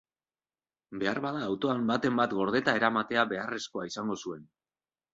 Beharbada autoan baten bat gordeta eramatea beharrezkoa izango zuen.